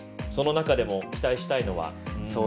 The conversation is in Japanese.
その中でも期待したいのは。